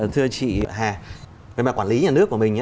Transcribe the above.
thưa chị hà về mặt quản lý nhà nước của mình